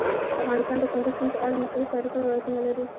افغانستان د کندز سیند په اړه مشهور تاریخی روایتونه لري.